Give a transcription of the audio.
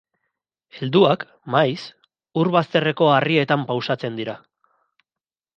Helduak, maiz, ur bazterreko harrietan pausatzen dira.